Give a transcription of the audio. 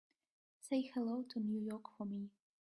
Say hello to New York for me.